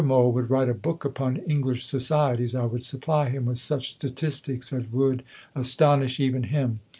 Mohl would write a book upon English societies, I would supply him with such Statistics as would astonish even him.